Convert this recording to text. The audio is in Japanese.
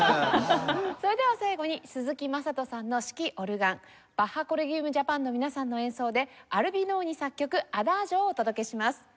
それでは最後に鈴木優人さんの指揮オルガンバッハ・コレギウム・ジャパンの皆さんの演奏でアルビノーニ作曲『アダージョ』をお届けします。